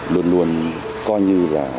luôn luôn coi như là